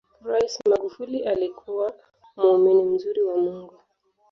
rais magufuli alikuwa muumini mzuri wa mungu